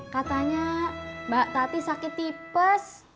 katanya mbak tati sakit tipes